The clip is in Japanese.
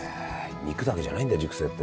肉だけじゃないんだ熟成って。